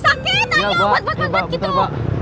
iya mbak iya mbak bentar mbak